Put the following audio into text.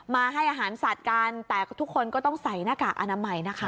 มาให้อาหารสัตว์กันแต่ทุกคนก็ต้องใส่หน้ากากอนามัยนะคะ